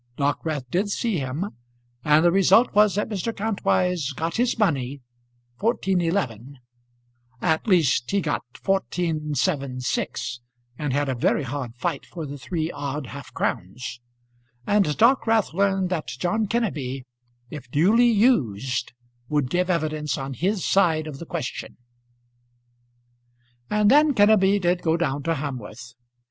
Dockwrath did see him, and the result was that Mr. Kantwise got his money, fourteen eleven; at least he got fourteen seven six, and had a very hard fight for the three odd half crowns, and Dockwrath learned that John Kenneby, if duly used, would give evidence on his side of the question. And then Kenneby did go down to Hamworth.